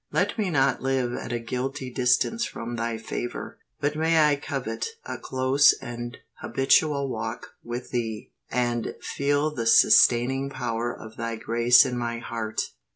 Let me not live at a guilty distance from Thy favor; but may I covet a close and habitual walk with Thee, and feel the sustaining power of Thy grace in my heart.